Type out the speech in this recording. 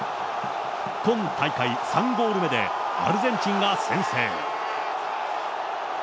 今大会３ゴール目で、アルゼンチンが先制。